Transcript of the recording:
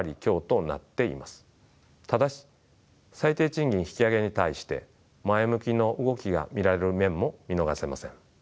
ただし最低賃金引き上げに対して前向きの動きが見られる面も見逃せません。